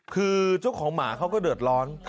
คือเจ้าของหมาเขาก็เดือดร้อน